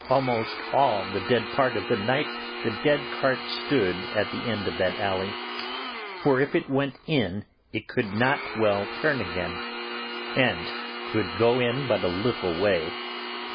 Almost all the dead part of the night the dead cart stood at the end of that alley, for if it went in it could not well turn again, and could go in but a little way.